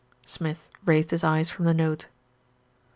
Smith raised his eyes from the note.